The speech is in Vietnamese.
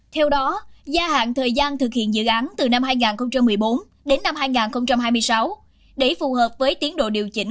theo đó gia hạn thời gian thực hiện dự án từ năm hai nghìn một mươi bốn đến năm hai nghìn hai mươi sáu để phù hợp với tiến độ điều chỉnh